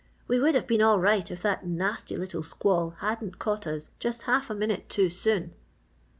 We would have been all right if that nasty little squall hadn't caught us just half a minute too soon!"